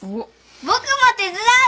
僕も手伝う！